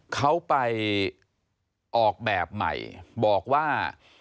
เขาไปออกแบบใหม่บอกว่า